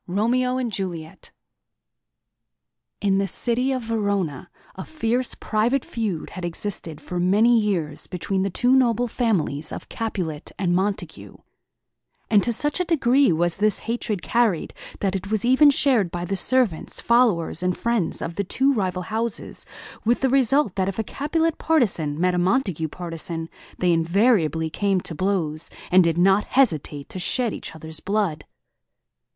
ROMEO AND JULIET In the city of Verona, a fierce private feud had existed for many years between the two noble families of Capulet and Montague; and to such a degree was this hatred carried that it was even shared by the servants, followers, and friends of the two rival houses, with the result that if a Capulet partisan met a Montague partisan, they invariably came to blows, and did not hesitate to shed each other's blood.